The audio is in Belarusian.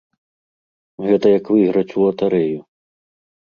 Гэта як выйграць у латарэю.